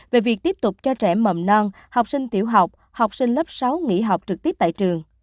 về việc tiếp tục cho trẻ mầm non học sinh tiểu học học sinh lớp sáu nghỉ học trực tiếp tại trường